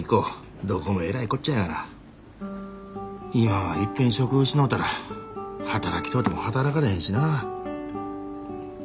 今はいっぺん職失うたら働きとうても働かれへんしな。